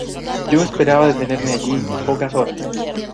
yo esperaba detenerme allí pocas horas.